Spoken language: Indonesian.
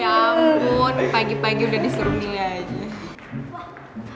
ya ampun pagi pagi udah disuruh milih aja